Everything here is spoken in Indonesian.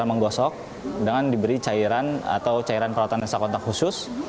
cara menggosok dengan diberi cairan atau cairan perawatan lensa kontak khusus